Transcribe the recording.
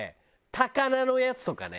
高菜のやつとかね。